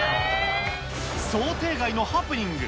想定外のハプニング。